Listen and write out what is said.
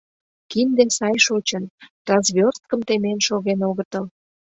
Кинде сай шочын, развёрсткым темен шоген огытыл.